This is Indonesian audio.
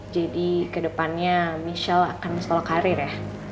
jadi ke depannya michelle akan menstolok karir ya